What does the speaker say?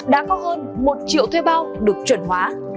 đã có hơn một triệu thuê bao được chuẩn hóa